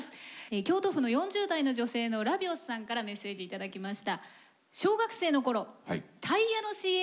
京都府の４０代の女性のらびおすさんからメッセージ頂きました。